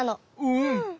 うん。